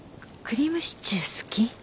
クリームシチュー好き？